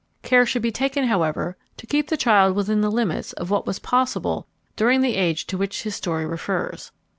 Care should be taken, however, to keep the child within the limits of what was possible during the age to which his story refers.